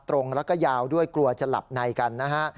ตรงแล้วก็ยาวด้วยกลัวจะหลับในกันนะฮะ